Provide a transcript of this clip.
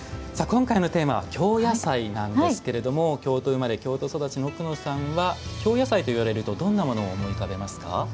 今回のテーマは「京野菜」なんですけど京都生まれ京都育ちの奥野さんは京野菜といわれるとどんなものを思い浮かべますか？